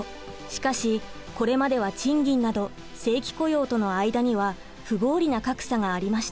しかしこれまでは賃金など正規雇用との間には不合理な格差がありました。